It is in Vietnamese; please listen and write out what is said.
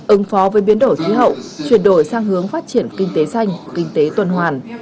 ứng phó với biến đổi khí hậu chuyển đổi sang hướng phát triển kinh tế xanh kinh tế tuần hoàn